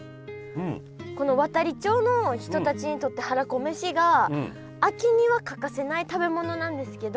この亘理町の人たちにとってはらこめしが秋には欠かせない食べ物なんですけど。